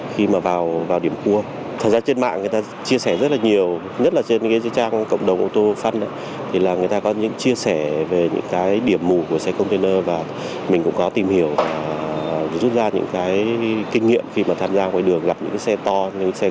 khi mà vào điểm cua thật ra trên mạng người ta chia sẻ rất là nhiều nhất là trên cái trang cộng đồng ô tô fut thì là người ta có những chia sẻ về những cái điểm mù của xe container và mình cũng có tìm hiểu rút ra những cái kinh nghiệm khi mà tham gia ngoài đường gặp những cái xe to như những xe